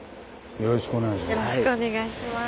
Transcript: よろしくお願いします。